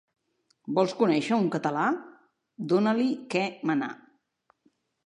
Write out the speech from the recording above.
Vols conèixer un català? Dona-li què manar.